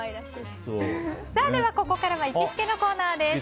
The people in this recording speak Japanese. ではここからは行きつけのコーナーです。